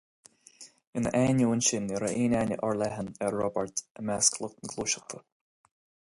Ina ainneoin sin, ní raibh aon aithne fhorleathan ar Roibeárd i measc lucht na Gluaiseachta.